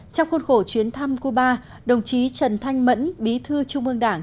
trong khuôn khổ chuyến thăm cuba đồng chí trần thanh mẫn bí thư trung ương đảng